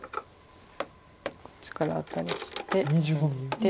こっちからアタリしてノビて。